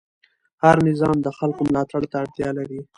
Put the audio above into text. هر نظام د خلکو ملاتړ ته اړتیا لري